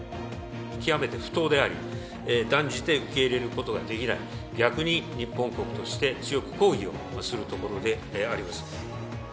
極めて不当であり、断じて受け入れることはできない、逆に日本国として強く抗議をするところであります。